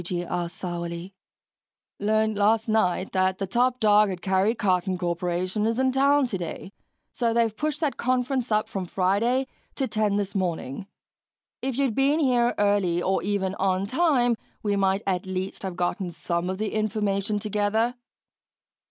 G.G. asked sourly. "Learned last night that the top dog at Karry Karton Korporation is in town today, so they've pushed that conference up from Friday to ten this morning. If you'd been here early or even on time we might at least have gotten some of the information together."